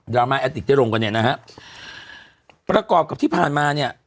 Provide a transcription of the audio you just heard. รามาแอติกได้ลงกันเนี่ยนะฮะประกอบกับที่ผ่านมาเนี่ย